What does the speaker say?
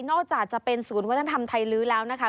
อกจากจะเป็นศูนย์วัฒนธรรมไทยลื้อแล้วนะคะ